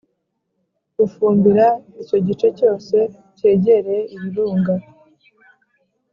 Bufumbira icyo gice cyose kegereye i Birunga